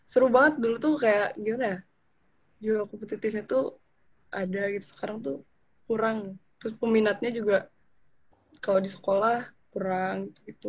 seru banget dulu tuh kayak gimana ya jiwa kompetitifnya tuh ada gitu sekarang tuh kurang terus peminatnya juga kalau di sekolah kurang gitu